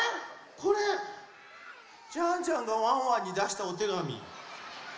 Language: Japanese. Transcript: これジャンジャンがワンワンにだしたおてがみ。